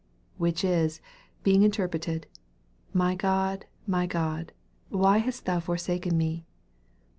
which is, be ing interpreted, My God, my God, why hast thou forsaken me